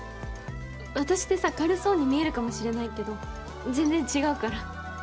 私ってさ軽そうに見えるかもしれないけど全然違うから。